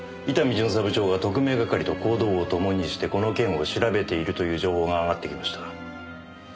巡査部長が特命係と行動をともにしてこの件を調べているという情報が上がってきました。